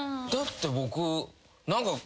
だって僕。